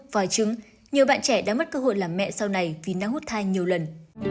vài chứng nhiều bạn trẻ đã mất cơ hội làm mẹ sau này vì nã hút thai nhiều lần